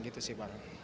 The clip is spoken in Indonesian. gitu sih bang